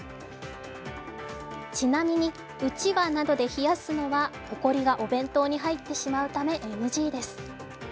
ちなみに、うちわなどで冷やすのはホコリがお弁当に入ってしまうためＮＧです。